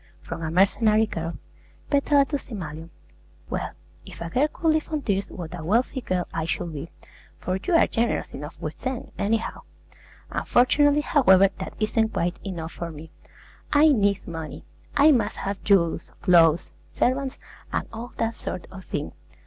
H.T. Peck FROM A MERCENARY GIRL PETALA TO SIMALION Well, if a girl could live on tears, what a wealthy girl I should be; for you are generous enough with them, any how! Unfortunately, however, that isn't quite enough for me. I need money; I must have jewels, clothes, servants, and all that sort of thing.